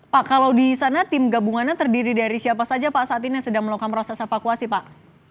pak kalau di sana tim gabungannya terdiri dari siapa saja pak saat ini yang sedang melakukan proses evakuasi pak